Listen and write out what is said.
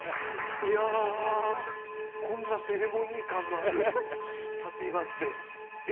いやあこんなセレモニー感のある「ハッピーバースデートゥーユー」